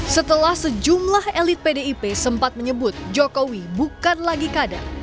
setelah sejumlah elit pdip sempat menyebut jokowi bukan lagi kader